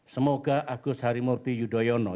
semoga agus harimurti yudhoyono